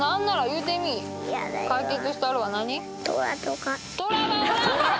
言うてみ解決したるわ何？